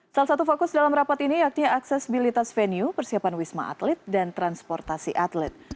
salah satu fokus dalam rapat ini yakni aksesibilitas venue persiapan wisma atlet dan transportasi atlet